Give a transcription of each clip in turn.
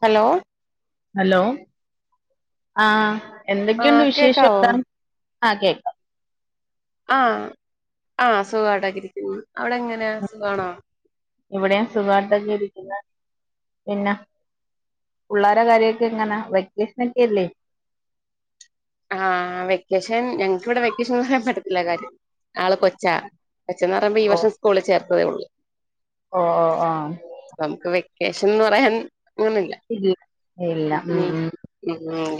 Hello hello ആഹ് എന്തൊക്കെയുണ്ട് ആഹ് വിശേഷം? കേക്കാവോ [unintelligible] ആഹ് കേക്കാം. ആഹ് ആഹ് സുഖായിട്ടൊക്കിരിക്കുന്നു അവിടെങ്ങനാ സുഖാണോ? ഇവിടെയും സുഖായിട്ടൊക്കെ ഇരിക്കുന്നു. പിന്ന പുള്ളേരെ കാര്യക്കെങ്ങന? വെക്കേഷനൊക്കെയല്ലേ. ആഹ് വെക്കേഷൻ ഞങ്ങക്കിവിടെ വെക്കേഷൻ [unintelligible] പറ്റത്തില്ല കാര്യം ആള് കൊച്ചാ കൊച്ചെന്ന് പറയുമ്പോ ഈ ഓ വർഷം സ്കൂളിൽ ചേർത്തതേ ഉള്ളൂ. ഓ ഓ ആഹ് പ്പ മുക്ക് വെക്കേഷൻ ന്ന് പറയാൻ അങ്ങനില്ല. ഇല്ല ഇല്ല ഉം ഉം ഉം ഉം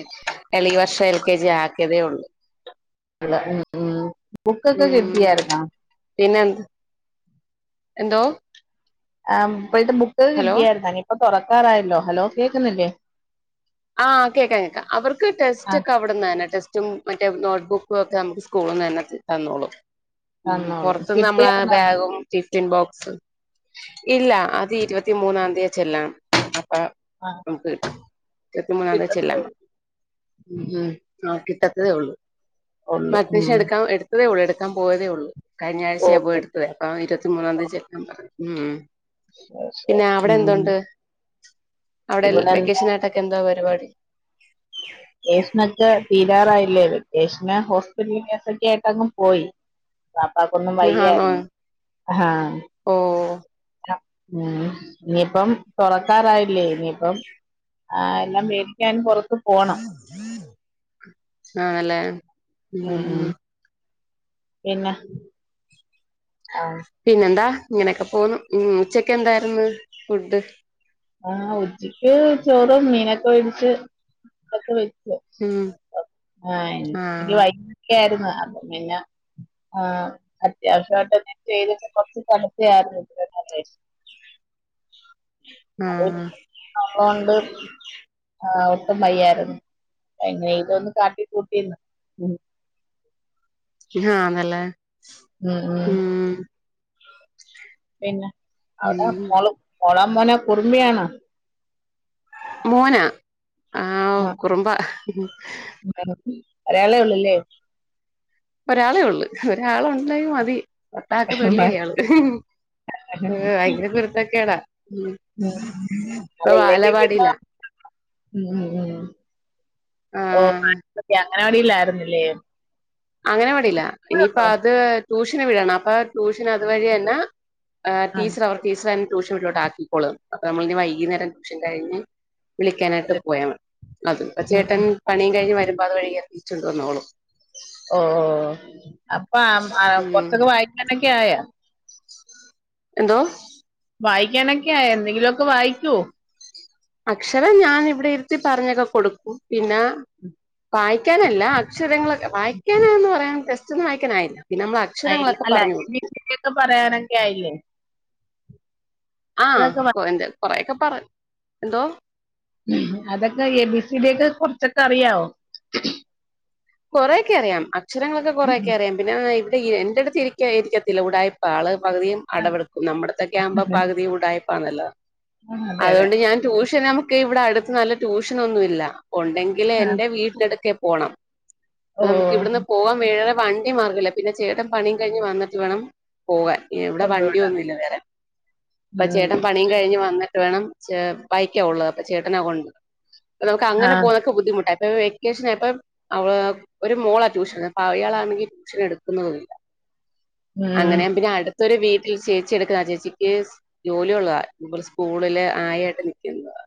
എളീ വർഷം എൽ കെ ജി ആക്കിയതേ ഉള്ളൂ. ല്ല ഉ ഉം ബുക്കൊക്കെ കിട്ടിയാര്ന്നോ? പിന്നെന്ത്‌? എന്തോ? ആഹ് പ്പഴത്തെ ബുക്ക് ഹലോ കിട്ടിയായിരുന്നോ നിപ്പ തുറക്കാറായല്ലോ ഹലോ കേക്കുന്നില്ലേ? ആഹ് കേക്കാം കേക്കാം അവർക്ക് ആ ടെസ്റ്റ്ക്കവിടന്ന് തന്നെ ടെസ്റ്റും മറ്റേ നോട്ട് ബുക്കും ഒക്കെ നമുക്ക് സ്കൂള്ന്ന് തന്നെ ത തന്നോളു ഉം ഉം തന്നോളൂ പൊറത്ത്ന്ന് നമ്മളാ കിട്ടിയായിരുന്നോ ബാഗും ടിഫ്റ്റിൻ ബോക്സ് ഇല്ല അത് ഇരുപത്തി മൂന്നാംതിയ ചെല്ലാം അപ്പൊ ആഹ് നമ്ക്ക് ഇരുപത്തി മൂന്നാം തി ചെല്ലാ ഉള്ളൂ ഉം ഉം ആഹ് കിട്ടത്തതേ ഉള്ളൂ. ഉള്ളു ഉം മഡ്മിഷൻ എടുക്കാൻ എടുത്തതേ ഉള്ളൂ എടുക്കാൻ പോയതേ ഉള്ളൂ. ഓ കഴിഞ്ഞാഴ്ചയാ പോയെ ടുത്തത് [unintelligible] ഇരുപത്തി മൂന്നാം തീയതി ചെല്ലാൻ പറഞ്ഞു. ഊം ശരി പിന്ന ശരി ഉം അവിടെന്തുണ്ട്? അവിടെ ൽ ഇവിടെ എന്താ വെക്കേഷനായിട്ടൊക്കെന്തോ പരിപാടി? ക്കേഷനൊക്കെ തീരാറായില്ലേ വെക്കേഷന് ഹോസ്പിറ്റൽ കേസൊക്കെ ആയിട്ടങ്ങ് പോയി. ബാപ്പാക്കൊന്നും വയ്യായിരുന്നു. അഹാ ഓഹ് [inaudible] ഉം ഇനിയിപ്പം തുറക്കാറായില്ലേ ഇനിപ്പം ആഹ് എല്ലാം വേടിക്കാൻ പൊറത്ത് ആണല്ലേ ഉം ഊം. പിന്ന ആഹ് പിന്നെന്താ ഇങ്ങനെയൊക്കെ പോവുന്നു ഉം ഉച്ചക്കെ ന്തായിരുന്ന് ഫുഡ്? ആഹ് ഉച്ചക്ക് ചോറും മീനൊക്കെ വേടിച്ച് [unintelligible] ഉം ആഹ് ക്കെ ആയിരുന്നു അപ്പ പിന്ന ആഹ് അത്യാവശ്യയിട്ട് [unintelligible] കൊർച്ച് തണുത്തെയായിരുന്നു [unintelligible] ആഹ് അതുകൊണ്ട് ആഹ് ഒട്ടും വയ്യായിരുന്നു. എങ്ങനെക്കൊന്ന് കാട്ടി കൂട്ടിന്ന്. ഉം ഹാന്നല്ലേ ഉം ഉം പിന്നെ അവിടെ ഉം മോള് മോളോ മോനൊ കുറുമ്പിയാണൊ? മോനാ ആഹ് കുറുമ്പ. [unintelligible] ഒരാളെള്ളൂല്ലേ ഒരാളേള്ളു ഒരാളോണ്ടേ മതി രണ്ടാക്ക് തുല്യ ഇയാള് ഭയങ്കര കുരുത്തക്കേട ഉം ഇപ്പ അതില്ലെങ്കി പിന്നെ ബാലവാടിലാ ഉം ഉം ഉം ആഹ് അങ്ങനവാടില്ലായിരുന്നില്ലേ അങ്ങനവാടിയില ഇനിയിപ്പ അത് ട്യൂഷന് വിടണം അപ്പ ട്യൂഷനതവഴി തന്ന ഏഹ് ആഹ് ടീച്ചറവർ ടീച്ചറയിന് ട്യൂഷൻ വീട്ടിലോട്ട് ആക്കിക്കോളും അപ്പ നമ്മളിനി വൈകുന്നേര ട്യൂഷൻ കഴിഞ്ഞ് വിളിക്കാനായിട്ട് പോയാ അതിപ്പ ഉം ചേട്ടൻ പണിയും കഴിഞ്ഞ് വരുമ്പ അത് വഴി കേറി വിളിച്ചോണ്ട് വന്നോളും ഓഹ് ഓഹ് ഓഹ് അപ്പ ആഹ് ഉം കൊറച്ചൊക്കെ വായിക്കാനക്കെ ആയാ എന്തോ വായിക്കാനൊക്കെ ആയ എന്തെങ്കിലൊക്കെ വായിക്കോ അക്ഷര ഞാനിവിടെയിരുത്തി പറഞ്ഞൊക്കെ കൊടുക്കും പിന്നെ വായിക്കാനല്ല അക്ഷരങ്ങളെക്കെ വായിക്കാനന്ന് പറയാൻ ടെസ്റ്റൊന്നും വായിക്കാനായില്ല പിന്നെ നമ്മള് ആയില്ല അല്ല [unintelligible] പറയാനൊക്കെ ആയില്ലേ അതൊക്കെ വാ- ആഹ് എന്ത് കൊറെയൊക്കെ പറ എന്തോ അതക്കെ എ ബി സി ഡിയക്കെ കൊറച്ചൊക്കെ അറിയാവോ കൊറേയൊക്കെ അറിയാം അക്ഷരങ്ങളക്കെ കൊറെക്കെ അറിയാം പിന്നെ ഇവിടെ എന്റെടുത്ത് ഇരിക്ക ഇരിക്കത്തില്ല ഉടായിപ്പ ആള് പകുതിയും ആ അടവെടെക്കും നമ്മുടെത്തെയ്ക്കാമ്പം പകുതിയും ഉടായിപ്പാന്നല്ലോ ആ അതെ അതെ അതുകൊണ്ട് ഞാൻ ട്യൂഷൻ നമു ക്ക് ഇവിടെടുത്ത് നല്ല ട്യൂഷനൊന്നുയില്ല ഒണ്ടെങ്കില് ആ എന്റെ വീട്ടിനടുക്കേ പോണം ഓ അപ്പ നമുക്കിവിടന്ന് പോവാൻ വേറെ വണ്ടി മാർഗയില്ല പിന്നെ ചേട്ടൻ പണി കഴിഞ്ഞ് വന്നിട്ട് വേണം പോവാൻ ഇവിടെ കൊണ്ടുവിടാം വണ്ടിയൊന്നുയില്ല വേറെ ഇപ്പ ഉം ചേട്ടൻ പണിയും കഴിഞ്ഞ് വന്നിട്ട് വേണം ചേ ബൈക്ക ഒള്ളത് അപ്പ ചേട്ടന കൊ ആ നമുക്കങ്ങനെ പോന്ന ക്ക്‌ ബുദ്ധിമുട്ട ഇപ്പ വെക്കേഷനയപ്പാ അവള് ഒരു മോളാ ട്യൂഷൻ അപ്പ അയാളാണെങ്കി ട്യൂഷനെടുക്കുന്നതുയില്ല ഉം അങ്ങനെയ പിന്നെ അടുത്തൊരു വീട്ടിൽ ചേച്ചി എടുക്കുന്നാ ആ ചേച്ചിക്ക് ജോലിയൊള്ളത ഇതുപോലെ സ്കൂളില് ആയായിട്ട് നിക്കന്നത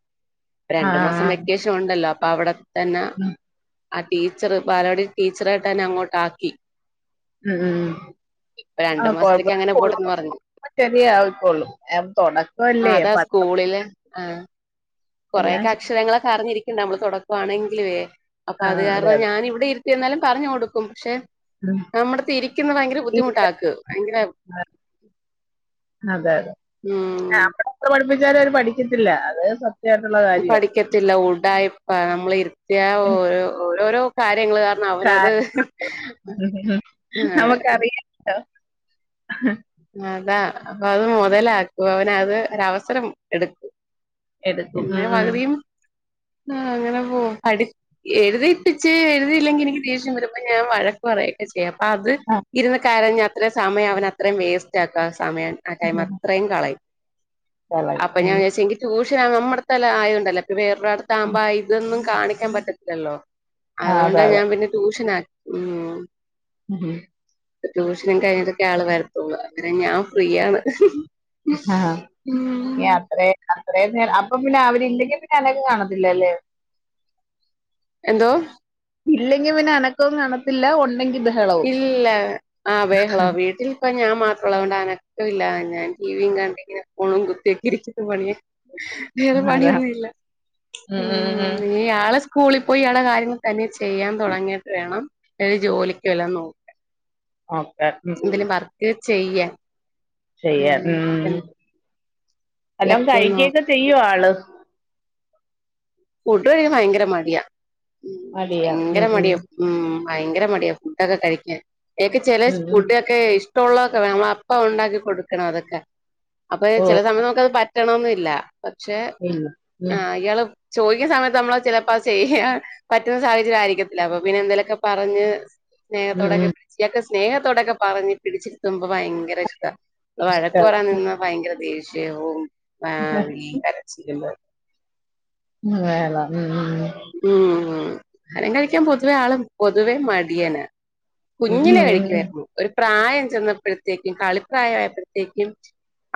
ആ രണ്ട് മാസം വെക്കേഷൻ ഒണ്ടല്ലോ അപ്പവിടെ തന്നെ ഉം ടീച്ചറ് ബാലവാടി ടീച്ചറായിട്ട് തന്നെ അങ്ങോട്ടാക്കി ഉം ഉം രണ്ടു ഉം മാസത്തേക്ക് അങ്ങനെ പോട്ടെന്ന് പറഞ്ഞു [unintelligible] ശരിയായുക്കൂള് ആ തൊടക്കല്ലേ അതാ പതുക്കെ സ്കൂളില് പതുക്കെ ആഹ് കൊറെക്കെ അക്ഷരങ്ങളൊക്കെ അറിഞ്ഞിരിക്കേണ്ടെ നമ്മള് തൊടക്കവാണെങ്കിലുവേ അപ്പ ആ അത് കാര അതെ അതെ ഞാനിവിടെയിരുത്തി എന്നാലും പറഞ്ഞു കൊടുക്കും പക്ഷെ ഉം. നമ്മടത്തെയിരിക്കുന്ന ഭയങ്കര ബുദ്ധിമുട്ട ഇരിക്കണം. ആക്ക് ഭയങ്കര അതെ അതെ ഉം ആഹ് നമ്മളെത്ര പഠിപ്പിച്ചാലും അവര് പഠിക്കത്തില്ല അത് സത്യയിട്ടുള്ള കാര്യാ പഠിക്കത്തില്ല ഉടായിപ്പ നമ്മളെയിരുത്തിയ ഓരോ ഓരോരോ കാര്യങ്ങള് അവനത് ആഹ് [unintelligible] അതാ അപ്പ അത് മൊതലാക്കും അവനത് ഒരവസരം എടുക്കും എടുക്കും എന്നെ ഉം, ഉം. പകതിയും ആഹ് അങ്ങനെ പോ അടി എഴുതിയിട്ടിച്ച് എഴുതിയില്ലെങ്കി എനിക്ക് ദേഷ്യം വരുമ്പ ഞാൻ വഴക്ക് പറയും ചെയ്യാം. അപ്പ അത് ആ, ഇരുന്ന് കരഞ്ഞ് അത്ര സമയം അവനത്രയും വേസ്റ്റ് ആക്ക സമയം. ആ ടൈം അത്ര- ടൈം കളയും. കളയും അപ്പൊ ഞാൻ ഉം. വിചാരിച്ചു എങ്കി ട്യൂഷൻ നമ്മുടെത്തെല്ലേ ആയോണ്ടല്ലേ? [unintelligible] ഇവടെ അടുത്താവുമ്പ അയ് ഇതൊന്നും കാണിക്കാൻ പറ്റത്തില്ലല്ലോ ആ അതെ അതോണ്ടാ അതെ ഞാൻ പിന്നെ ട്യൂഷൻ ആ- ഉം ഉം പ്പൊ ട്യൂഷനും കഴിഞ്ഞട്ടൊക്കെ ആള് വരത്തൊള്ളൂ പിന്നെ ഞാൻ ഫ്രീയാണ് അത്രേം നേരം അപ്പം പിന്നെ അവരില്ലെങ്കിൽ പിന്നെ അനക്കം കാണത്തില്ലല്ലേ എന്തോ ഇല്ലെങ്കി പിന്നെ അനക്കൊം കാണത്തില്ല ഒണ്ടെങ്കി ഇത ഇല്ല ആ ബേഹളോം വീട്ടിൽ ഇപ്പ ഞാൻ മാത്രള്ളൂ അഓണ്ട് അനക്കവില്ല ഞാൻ ടിവിയും കണ്ടിങ്ങനെ ഫോണും കുത്തിയൊക്കെ ഇരിക്കും പണിയ- വേറെ അതാ പണിയൊന്നും ഇല്ല ഉം ആള് സ്കൂളിൽ പോയി ഇയാളെ കാര്യങ്ങൾ തന്നെ ചെയ്യാൻ തൊടങ്ങീട്ട് വേണംഎനിക്ക് ജോലി ക്ക് വല്ലോം ഓക്കെ ഉം നോക്കാൻഎന്തേലും വർക്ക് ചെയ്യാൻ ചെയ്യാൻ ഉം വല്ലോം ലക്ക് നോ കഴിക്കെക്കെ ചെയ്യോ ആള് ഫുഡ് കഴിക്കാൻ ഭയങ്കര മടിയാ ഉം മടിയാ ഭയങ്കര ഉം മടിയാ ഉം ഭയങ്കര മടിയാ ഫുഡൊക്കെ കഴിക്കാൻ ഏക്ക്‌ ചെലെ ഉം ഉം ഫുഡ് ക്കെ ഇഷ്ടമുള്ളതൊക്കെ വേണം നമ്മളെ അപ്പ ഉണ്ടാക്കി കൊടുക്കണം അതൊക്കെ അപ്പൊ ഓ ചെല സമയത്ത് നമുക്കത് പറ്റ് റ്റണംന്നില്ല പക്ഷെ ഇല്ല ഉം ആഹ് ഇയാള് ചോയ്ക്ക്ണ സമയത്ത് നമ്മളാ ചെലപ്പോ അത് ചെയ്യാൻ പറ്റ്ന്ന സാഹചര്യം ആയിരിക്കത്തില്ല അപ്പൊ പിന്നെ എന്തേലെക്കെ പറഞ്ഞ് ഉം സ്നേഹത്തോടൊക്കെ ഉം പിടിച്ച് ഇയാക്ക് സ്നേഹത്തോടൊക്കെ പറഞ് പിടിച്ചിരുത്തുമ്പോ ഭയങ്കര ഇഷ്ടാ വഴക്ക് പറയാൻ ഉം. നിന്നാ ഭയങ്കര ദേഷ്യവും ആഹ് ഈ കരച്ചിലും ഉം വേള ഉം ഉം ഉം ഉം ആഹാരം കഴിക്കാൻ പൊതുവെ ആള് പൊതുവെ മടിയനാ ഉം കുഞ്ഞിലെ ഉം ഉം കഴിക്കുവായ്രുന്നു ഒരു പ്രായം ചെന്നപ്പെഴത്തേക്കും കളിപ്രായായപ്പെയത്തേക്കും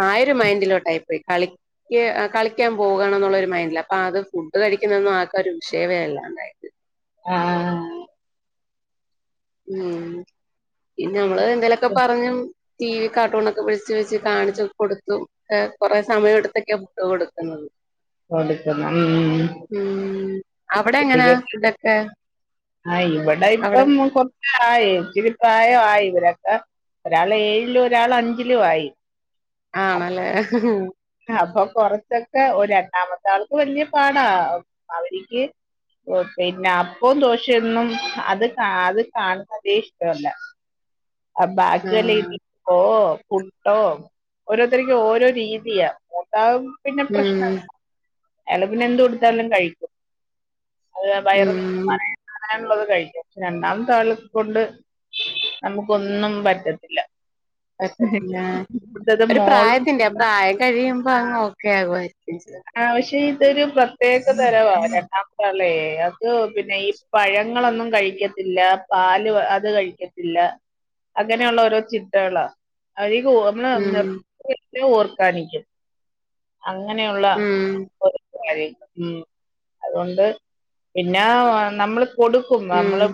ആയിരം മൈന്റിലോട്ടായി കളിക്ക് കളിക്കാൻ പോകണം എന്നുള്ളൊരു മൈൻഡിലാ അപ്പൊ അത് ഫുഡ് കഴിക്ക്ണെന്നും ഒരു വിഷയവേ അല്ലാണ്ടായി ആഹ് ഉം പിന്നെ ഞങ്ങള് എന്തേലൊക്കെ പറഞ്ഞ് ടി വി കാർട്ടൂണ് ഒക്കെ വിളിച്ച് വെച്ച് കാണിച്ച് കൊടുത്തും ക്ക് കൊറെേ സമയടുത്തൊക്കെ ഫുഡ്‌ കൊടുക്ക്ന്നത് കൊടുക്കണം ഉം അവടെ എങ്ങനാ ഫുഡക്കെ ആഹ് ഇവിടെ ഇപ്പം കാെ ആയി ഇച്ചിരിപ്രായവായി ഇവരൊക്കെ ഒരാള് ഏഴിലും ഒരാള് അഞ്ചിലും ആയി ആണല്ലേ അപ്പൊ കൊറച്ചൊക്കെ ഓ രണ്ടാമത്തെ ആൾക്ക് വല്ല്യ പാടാ അവരിക്ക് ഓ പിന്നെ അപ്പം ദോശയൊന്നും അത് കാ അത് കാണുന്നതേ ഇഷ്ടവല്ല [inaudible] ബാക്കി വല്ല ആഹ് ഇഡ്ലി ഓ ഫുഡോ ഓരോര്ത്തര്ക്കും ഓരോ രീതിയാ മൂത്താൾ പിന്നെ ഉം പ്രശ്നല്ല അയാള് പിന്നെ എന്ത് കൊടുത്താലും കഴിക്കും അത് വയറ് ഉം നെറയാവാനുള്ളത് കഴിക്കും രണ്ടാമത്തെ ആളെകൊണ്ട് നമുക്കൊന്നും പറ്റത്തില്ല പറ്റത്തില്ലാ ഇവിടുത്തത് ഒരു മോളും പ്രായത്തിന്റെ പ്രായം കഴിയുമ്പോ അങ്ങ് ഓക്കെ ആകുവായിരിക്കും ആവശ്യ ഇതൊരു പ്രത്യേക തരവാ രണ്ടാമ- ത്താളെ അത് പിന്നെ ഈ പഴങ്ങളൊന്നും കഴിക്കത്തില്ല പാല് അത് കഴിക്കത്തില്ല അങ്ങനെയൊള്ള ഓരോ ചിട്ടകളാ. അതീക് ഒന്ന് ഒന്ന് ഉം നിർത്തി നിർത്തി ഓർക്കാനിക്കും. അങ്ങനെയൊള്ള ഉം ഒർ ളയി ഉം അതോണ്ട് പിന്നാ നമ്മള് കൊട് ക്കും ഉം നമ്മള്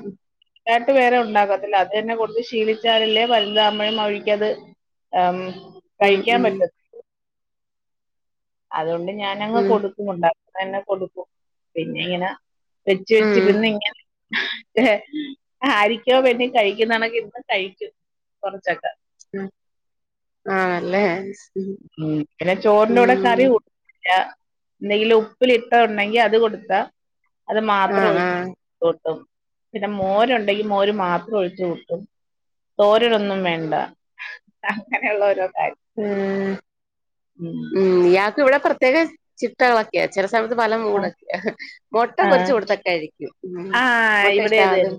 ഇതായിട്ട് വേറെ ഒണ്ടാക്കത്തില്ല അത് തന്നെ കൊടുത്ത് ശീലിച്ചാലല്ലേ വലുതാമ്പഴും അവരിക്കത് ആം ഉം കഴിക്കാൻ ഉം പറ്റത്തു അതോണ്ട് ഞാനങ്ങ് ഉം കൊടുക്കും ഒണ്ടാക്കിതന്ന കൊടുക്കും പിന്നെ ഇങ്ങന വെച് ഉം വെച്ചിരുന്നിങ്ങനെ ആരിക്കോ വേണ്ടി കഴിക്കുന്നണക്കിരുന്നങ്ങ് കഴിക്കും കൊറച്ചൊക്ക ഉം ആണല്ലേ ഉം പിന്നെ ചോറിന്റെ കുടെ ഉം കറി കൂ നെയ്യിലുപ്പിലിട്ട ഒണ്ടെങ്കി അത് കൊടുത്താ അത് മാത്രോ ആഹ് ഒഴിച്ചു ആഹ് കൂട്ടും പിന്നെ മോരുണ്ടെങ്കി മോര് മാത്രം ഒഴിച്ചു കൂട്ടും തോരനൊന്നും വേണ്ട അങ്ങനെയുള്ള ഓരോ കാര്യം ഉം ഉം ഉം ഇയാക്കിവ്ടെ പ്രത്യേക ചി മുട്ടകളൊക്കെയാ ചെല സമയത്ത് പല മൂടൊക്കെയ മൊട്ട പൊരിച്ച് കൊടുത്താ കഴിക്കും ഉം ആഹ് മുട്ട ഇവിടേം ഇഷ്ടാ അതും ഇതന്നെ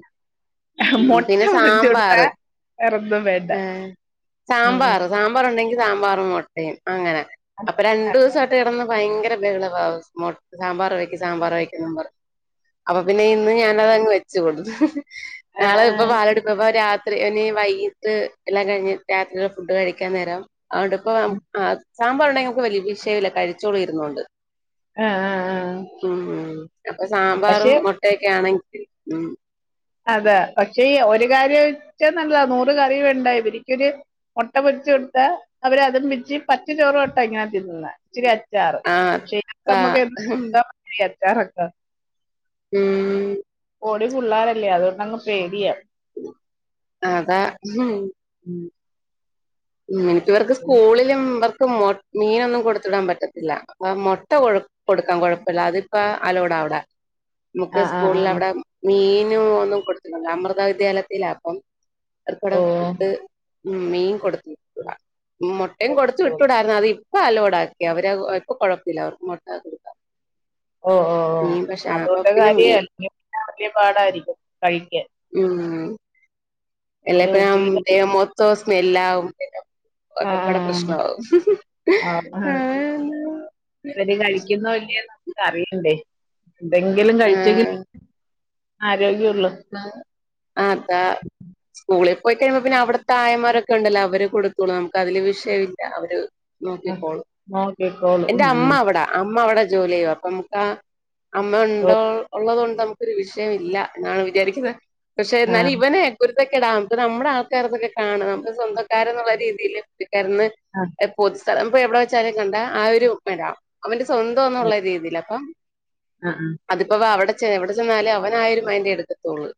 ഉം മൊട്ട പിന്നെ പൊരിച്ചു കൊടുത്ത സാമ്പാറ് വെറൊന്നു വേണ്ട ഏഹ് ഉം സാമ്പാറ് സാമ്പാറുണ്ടെങ്കി സാമ്പാറും മൊട്ടയും അങ്ങനെ അപ്പൊ ആ രണ്ടുസായിട്ട് കെടന്ന് ഭയങ്കര ബെഹളവ മൊ സാമ്പാർ വെക്ക് സാമ്പാർ വെക്കെന്ന് പറഞ്ഞ് അപ്പൊ പിന്നെ ഇന്ന് ഞാനതങ്ങ് വെച്ച് കൊടുത്ത് നാളെ ഇപ്പൊ ആഹ് പാലടുപ്പ പ്പ രാ ഇനി വൈകിട്ട് എല്ലാം കഴിഞ്ഞ് രാത്രീല ഫുഡ് കഴിക്കാൻ നേരം അതോണ്ട്പ്പോ സാമ്പാറൊണ്ടെങ്കി നമുക്ക് വലൃ വിഷയില്ല കഴിച്ചോളും ഇരുന്നോണ്ട് ആഹ് ആഹ് ഉം ഉം അപ്പൊ സാമ്പാറും പക്ഷെ മൊട്ടയൊക്കെ ആണെങ്കി ഉം അതാ പക്ഷേ ഈ ഒരു കാര്യം വെച്ചാ നല്ലതാ നൂറ് കറി വേണ്ട ഇവരിക്കൊരു മൊട്ട പൊരിച്ച് കൊടുത്താ അവര് അത് പിച്ചി പച്ച ചോറുക്കൊടുത്ത ഇങ്ങനെ തിന്നുന്നേ ഇച്ചിരി അച്ചാറ് ആഹ് പക്ഷേ ക്ക താ നമുക്ക് നമ്മുക്കീ അച്ചാറൊക്ക ഉം പൊടി പുള്ളാരല്ലേ അതോണ്ടങ്ങ് പേടിയ അതാ ഹും ഉം ഉം നിനക്കിവർക്ക് സ്കൂളിലും അവർക്ക് മൊ മീനൊന്നും കൊടുത്ത് വിടാൻ പറ്റത്തില്ല മൊട്ട കൊ കൊടുക്കാൻ കൊഴപ്പില്ല അതിപ്പ അലോട അവിട നമുക്ക് ആഹ് ആഹ് സ്കൂൾല് ആഹ് അവിടെ മീനും ഒന്നും കൊടുത്ത് വിടില്ല അമൃത വിദ്യാലയത്തില അപ്പം അത്പോട ഓഹ് ഫുഡ് മീൻ കൊടുത്തു വിട്ടൂട മൊട്ടയും കൊടുത്തു ഓഹ് വിട്ടൂടാരുന്നു അതി ഇപ്പ അലോടാക്കി അവര് ഇപ്പൊ കൊഴപ്പില്ല അവർക്ക്‌ മൊട്ട കൊടുക്കാം ഓ ഓ ഓ മീൻ പക്ഷെ അപ്പൊ അതോണ്ട് പിന്നെ കാര്യായി മീൻ അല്ലെങ്കി പിന്നെ വലിയംപാടായിരിക്കും കഴിക്കാൻ ഉം ഇവര് എല്ലപ്പം ഉച്ചക്ക് മൊത്തോം സ്മെല്ലാവും ഒക്കപ്പാട ആഹ് പ്രശ്നാവും അവര് കഴിക്കുന്നോ ഇല്യോന്ന് നമുക്ക് അറിയണ്ടേ എന്തെങ്കിലും കഴിച്ചെങ്കിൽ ആരോഗൃള്ളു ആ ആ ത സ്കൂളിൽ പോയി കഴിയുംമ്പോ പിന്നെ അവിടുത്തെ ആയിമാരൊക്കിണ്ടല്ലോ അവര് കൊടുത്തോളും നമുക്ക് അതില് വിഷയില്ല അവര് ആ നോക്കികോളും നോക്കിക്കോളും എന്റെ ഉം ഉം അമ്മ അവിട അമ്മ അവിടെ ജോലി ചെയ്യ അപ്പൊ നമുക്ക് ആ അമ്മ ഓ ഉണ്ടോ ഉള്ളത് കൊണ്ട് നമുക്കരു വിഷയമില്ല എന്നാണ് വിചാരിക്കുന്ന പക്ഷേ ആ എന്നാലും ഇവനെ ക്കുതൊക്കെടാ ഇപ്പൊ നമ്മുടെ ആൾക്കാർ ഇതൊക്കെ കാണും നമ്മുടെ സ്വന്തക്കാര എന്നുള്ള രീതിയിയില് ക്കന്ന് ആ പൊതു സ്ഥലം ഇപ്പൊ എവിടെ വെച്ചാലും കണ്ട ആ ഒരു മട അവന്റെ സ്വന്തംന്നുള്ള രീതിൽ അപ്പൊ ആ ആ അതിപ്പോ അവിടെ എവിടെ ചെന്നാല അവനാ ആ ഒരു മെൻ്റ് എടുക്കത്തുള്ളൂ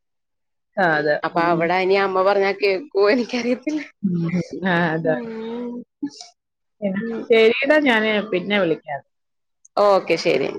ആ അതെ അപ്പൊ ഉം അവ്ടെ ഇനി അമ്മ പറഞ്ഞാൽ കേക്കൂ എനിക്കറിയ ഉം ആഹ് അതെ [unintelligible] ഉം. ശരിയടാ ഞാന് പിന്നെ വിളിക്കാ ഓക്കെ ശെരി